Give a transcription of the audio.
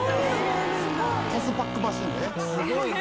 すごいね。